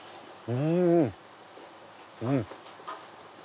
うん！